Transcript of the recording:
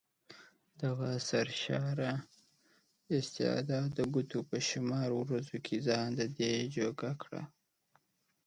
دغه سرشاره استعداد د ګوتو په شمار ورځو کې ځان ددې جوګه کړ.